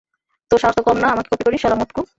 তোর সাহস তো কম না আমাকে কপি করিস, শালা মোটকু?